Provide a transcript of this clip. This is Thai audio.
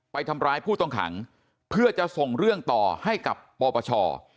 ไปทำร้ายผู้ต้องขังเพื่อจะส่งเรื่องต่อให้กับปปช